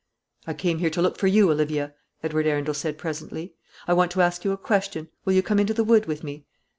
"I came here to look for you, Olivia," Edward Arundel said presently. "I want to ask you a question. Will you come into the wood with me?"